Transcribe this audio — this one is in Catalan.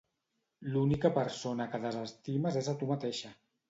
L'única persona que desestimes és a tu mateixa.